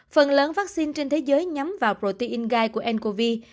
phần lớn vaccine trên thế giới nhắm vào protein gai của ncov